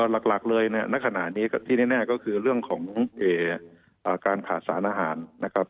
หลักเลยณขณะนี้ที่แน่ก็คือเรื่องของการขาดสารอาหารนะครับ